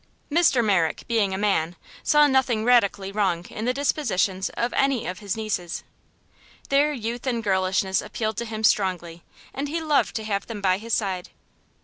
Mr. Merrick being a man, saw nothing radically wrong in the dispositions of any of his nieces. Their youth and girlishness appealed to him strongly, and he loved to have them by his side.